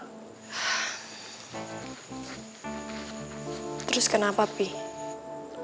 biar papi pastikan kalau kamu ada di rumah